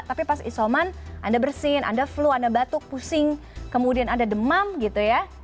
tapi pas isoman anda bersin anda flu anda batuk pusing kemudian anda demam gitu ya